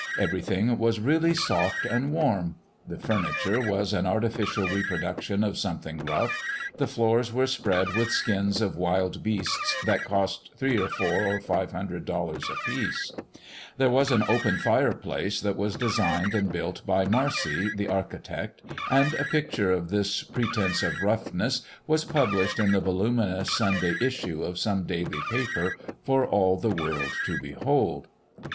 Everything was really soft and warm; the furniture was an artificial reproduction of something rough; the floors were spread with skins of wild beasts that cost three or four or five hundred dollars apiece; there was an open fireplace that was designed and built by Marcy, the architect, and a picture of this pretence of roughness was published in the voluminous Sunday issue of some daily paper for all the world to behold.